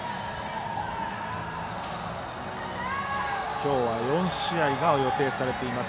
きょうは４試合が予定されています。